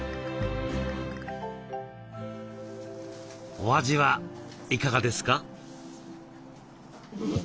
お味はいかがですか？